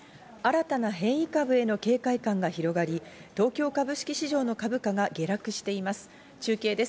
新たな変異株への警戒感が広がり、東京株式市場の株価が下落しています中継です。